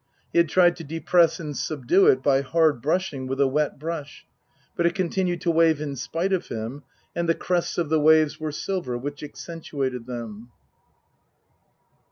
He had tried to Book I : My Book 93 depress and subdue it by hard brushing with a wet brush, but it continued to wave in spite of him, and the crests of the waves were silver, which accentuated them.